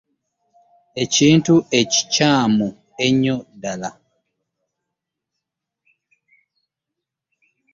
Ekintu ekikyamu ennyo ddala.